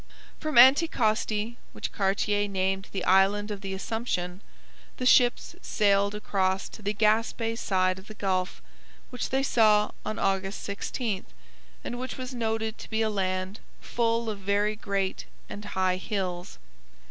From Anticosti, which Cartier named the Island of the Assumption, the ships sailed across to the Gaspe side of the Gulf, which they saw on August 16, and which was noted to be a land 'full of very great and high hills.'